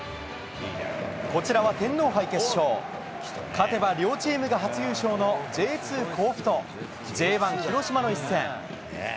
こちらは天皇杯決勝、勝てば両チームが初優勝のＪ２・甲府と、Ｊ１・広島の一戦。